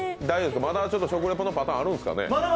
まだ食レポのパターンあるんですかね？